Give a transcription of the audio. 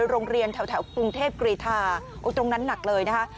โรงเรียนแถวกรุงเทพกรีธาตรงนั้นหนักเลยนะคะ